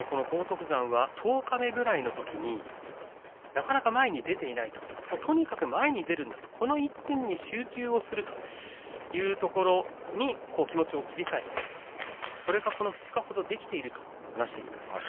荒篤山は十日目ぐらいのときになかなか前に出ていないととにかく前に出るんだとこの一点に集中をするというところに気持ちを切り替えてそれが、この２日ほどできていると話しています。